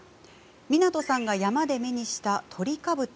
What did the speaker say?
湊さんが山で目にしたトリカブト。